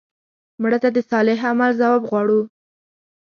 مړه ته د صالح عمل ثواب غواړو